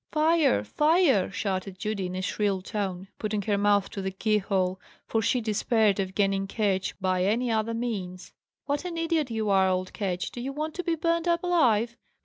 "Fire! fire!" shouted Judy, in a shrill tone, putting her mouth to the keyhole; for she despaired of gaining Ketch by any other means. "What an idiot you are, old Ketch! Do you want to be burnt up alive?"